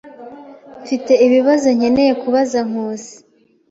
Mfite ibibazo nkeneye kubaza Nkusi.